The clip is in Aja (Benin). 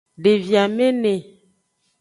Devi amene.